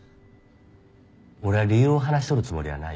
俺は理由を話しとるつもりはないよ。